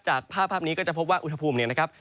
จากภาพนี้ก็จะพบว่าอุณหภูมิเนี่ยนะครับ